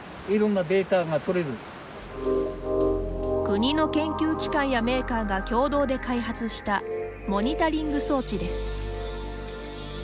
国の研究機関やメーカーが共同で開発したモニタリング装置です。